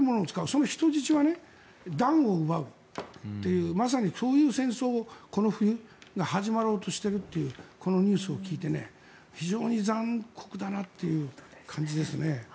その人質は暖を奪うというまさにそういう戦争が、この冬始まろうとしているというこのニュースを聞いて非常に残酷だなという感じですね。